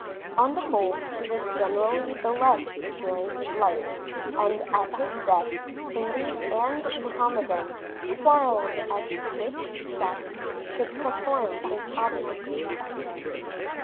On the whole he was generally beloved during his life, and at his death Hindus and Muhammadans quarrelled as to which sect should perform his obsequies.